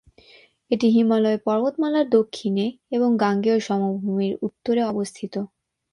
এটি হিমালয় পর্বতমালার দক্ষিণে এবং গাঙ্গেয় সমভূমির উত্তরে অবস্থিত।